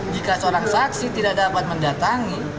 jika seorang saksi tidak dapat mendatangi